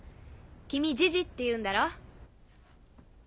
君ジジっていうんだろ？